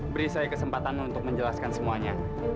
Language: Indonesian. beri saya kesempatan untuk menjelaskan semuanya